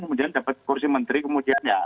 kemudian dapat kursi menteri kemudian ya